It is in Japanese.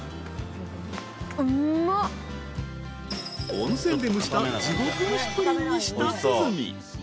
［温泉で蒸した地獄蒸しプリンに舌鼓］